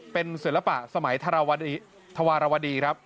เป็นศิลปะสมัยธวรวดีครับ